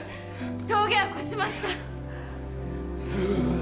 峠は越しました